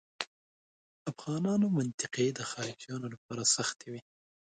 افغانانو منطقې د خارجیانو لپاره سختې وې.